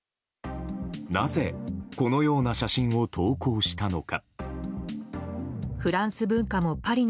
なぜ、このような写真を投稿したのか。